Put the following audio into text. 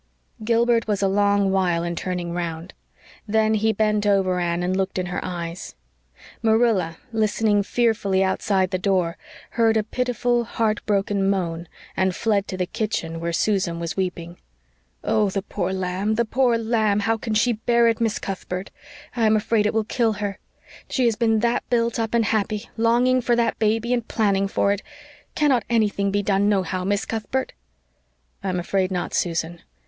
Gilbert was a long while in turning round; then he bent over Anne and looked in her eyes. Marilla, listening fearfully outside the door, heard a pitiful, heartbroken moan, and fled to the kitchen where Susan was weeping. "Oh, the poor lamb the poor lamb! How can she bear it, Miss Cuthbert? I am afraid it will kill her. She has been that built up and happy, longing for that baby, and planning for it. Cannot anything be done nohow, Miss Cuthbert?" "I'm afraid not, Susan.